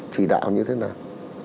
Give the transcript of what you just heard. chỉ đạo như thế nào